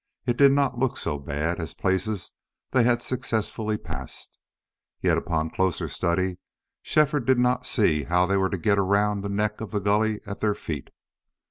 It did not look so bad as places they had successfully passed. Yet upon closer study Shefford did not see how they were to get around the neck of the gully at their feet.